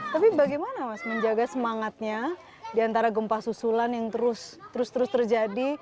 tapi bagaimana mas menjaga semangatnya di antara gempa susulan yang terus terus terjadi